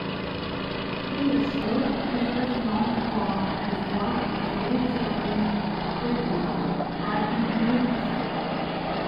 Elyashev is best known for his work as a literary critic, writing in Yiddish.